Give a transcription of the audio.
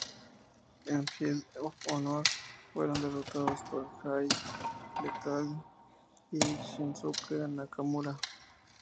En Field of Honor, fueron derrotados por Jay Lethal y Shinsuke Nakamura.